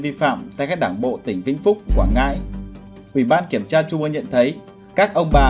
vi phạm tại các đảng bộ tỉnh vĩnh phúc quảng ngãi ủy ban kiểm tra trung ương nhận thấy các ông bà